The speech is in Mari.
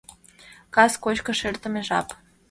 Кас кочкыш эртыме жап.